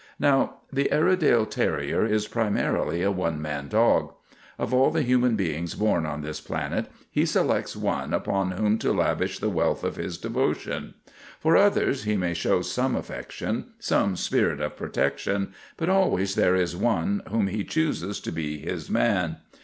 Now the Airedale terrier is primarily a one man dog. Of all the hu man beings on this planet he selects one upon whom to lavish the wealth of his devotion. For others he may show some affection, some spirit of protection, but always there is one whom he chooses to be his man.